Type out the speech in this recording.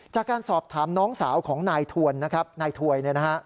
จากการสอบถามน้องสาวของนายถวย